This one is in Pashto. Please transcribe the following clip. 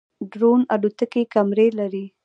ډرون الوتکې کمرې لري